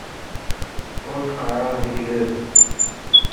Ur d-qqar ara d lekdeb!